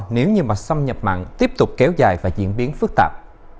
nếu như mà xâm nhập mặn tiếp tục kéo dài và diễn biến phức tạp